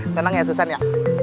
senang ya susahan ya